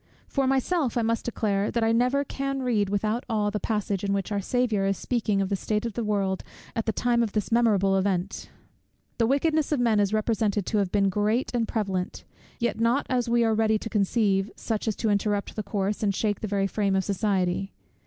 For myself I must declare, that I never can read without awe the passage, in which our Saviour is speaking of the state of the world at the time of this memorable event. The wickedness of men is represented to have been great and prevalent; yet not as we are ready to conceive, such as to interrupt the course, and shake the very frame of society.